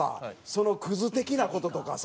そのクズ的な事とかさ。